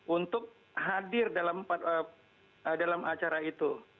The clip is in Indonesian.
untuk hadir dalam acara itu